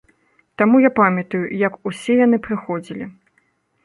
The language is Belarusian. Таму я памятаю, як усе яны прыходзілі.